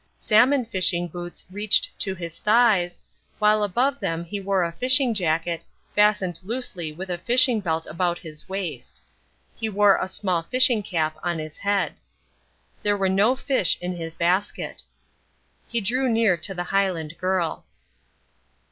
Salmon fishing boots reached to his thighs, while above them he wore a fishing jacket fastened loosely with a fishing belt about his waist. He wore a small fishing cap on his head. There were no fish in his basket. He drew near to the Highland girl.